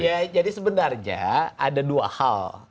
ya jadi sebenarnya ada dua hal